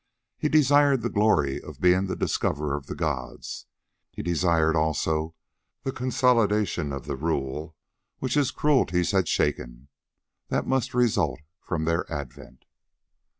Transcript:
He desired the glory of being the discoverer of the gods, he desired also the consolidation of the rule which his cruelties had shaken, that must result from their advent.